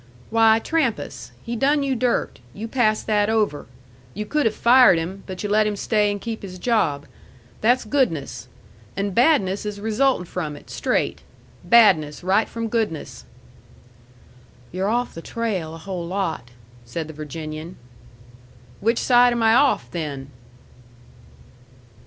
"Why, Trampas. He done you dirt. You pass that over. You could have fired him, but you let him stay and keep his job. That's goodness. And badness is resultin' from it, straight. Badness right from goodness." "You're off the trail a whole lot," said the Virginian. "Which side am I off, then?"